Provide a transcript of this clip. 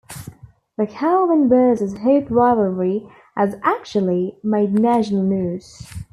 The Calvin versus Hope rivalry has actually made national news.